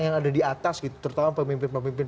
yang ada di atas gitu terutama pemimpin pemimpin